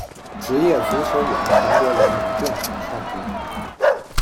职业足球员全国联盟共同创立。